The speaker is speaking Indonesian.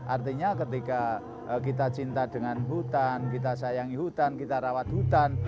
artinya ketika kita cinta dengan hutan kita sayangi hutan kita rawat hutan